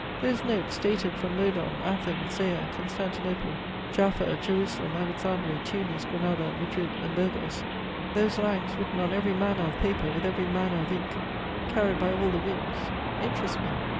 Those notes, dated from Modon, Athens, Zea, Constantinople, Jaffa, Jerusalem, Alexandria, Tunis, Granada, Madrid, and Burgos, those lines written on every manner of paper, with every manner of ink, carried by all the winds, interest me.